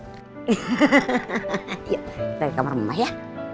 yuk kita ke kamar mama ya